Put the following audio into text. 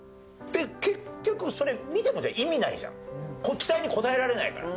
結局それ見ても意味ないじゃん期待に応えられないから。